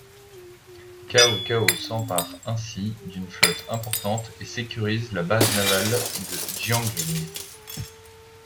Cao Cao s'empare ainsi d'une flotte importante et sécurise la base navale de Jiangling.